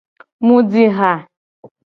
Mu ji ha.